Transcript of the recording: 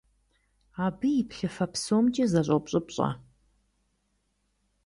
Абы и плъыфэ псомкӀи зэщӀопщӀыпщӀэ.